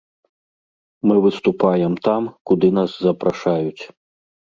Мы выступаем там, куды нас запрашаюць.